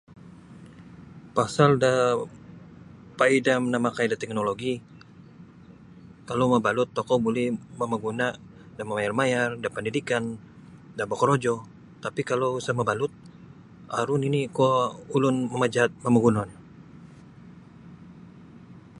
Pasal daa paidah namakai da teknologi kalau mabalut tokou buli mamaguna' da mamayar-mayar da pendidikan da bokorojo tapi kalau sa mabalut aru nini' kuo ulun majaat mamagunon.